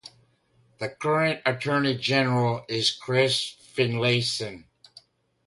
The current Attorney-General is Chris Finlayson.